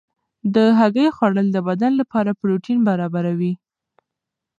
د هګۍ خوړل د بدن لپاره پروټین برابروي.